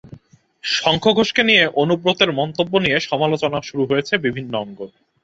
শঙ্খ ঘোষকে নিয়ে অনুব্রতের মন্তব্য নিয়ে সমালোচনা শুরু হয়েছে বিভিন্ন অঙ্গনে।